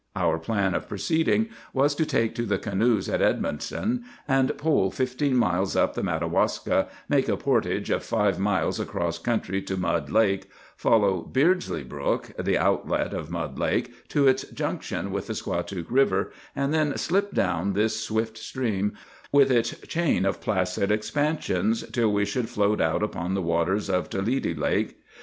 Our plan of proceeding was to take to the canoes at Edmundston, and pole fifteen miles up the Madawaska, make a portage of five miles across country to Mud Lake, follow Beardsley Brook, the outlet of Mud Lake, to its junction with the Squatook River, and then slip down this swift stream, with its chain of placid expansions, till we should float out upon the waters of Toledi Lake.